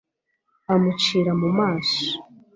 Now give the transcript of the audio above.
amucira mu maso